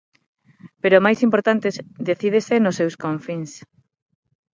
Pero o máis importante decídese nos seus confíns.